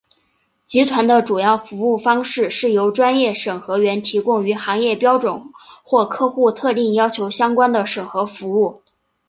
集团的主要服务方式是由专业审核员提供与行业标准或客户特定要求相关的审核服务。